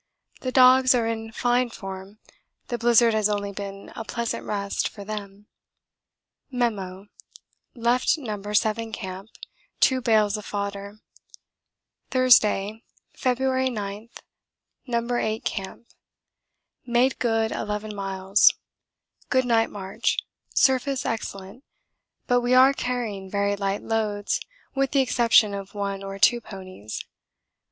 The dogs are in fine form the blizzard has only been a pleasant rest for them. Memo. Left No. 7 Camp. 2 bales of fodder. Thursday, February 9. No. 8 Camp. Made good 11 miles. Good night march; surface excellent, but we are carrying very light loads with the exception of one or two ponies.